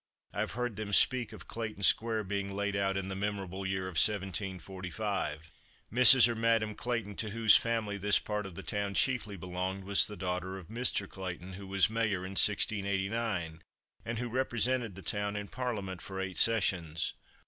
I have heard them speak of Clayton square being laid out in the memorable year of 1745. Mrs. or Madame Clayton to whose family this part of the town chiefly belonged, was the daughter of Mr. Clayton who was Mayor in 1689, and who represented the town in parliament for eight sessions.